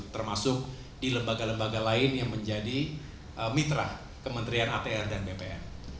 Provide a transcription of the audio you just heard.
termasuk di lembaga lembaga lain yang menjadi mitra kementerian atr dan bpn